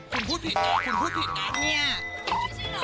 คุณพูดผิดนะคุณพูดผิดนะ